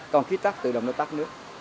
còn khi tắt tự động nó tắt nước